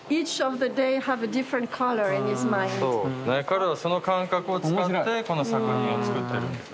彼はその感覚を使ってこの作品を作ってるんです。